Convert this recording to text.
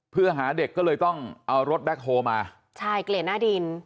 เพื่อหาเด็กก็เลยต้องเอารถแบ็คโฮลมาใช่เกลียดหน้าดิน